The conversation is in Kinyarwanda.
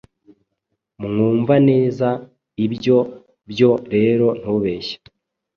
Mwumvaneza:Ibyo byo rero ntubeshya.